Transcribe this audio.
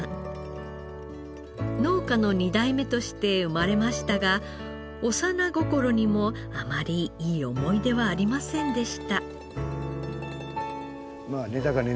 農家の２代目として生まれましたが幼心にもあまりいい思い出はありませんでした。